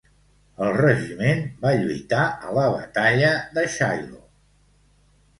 El regiment va lluitar a la batalla de Shiloh.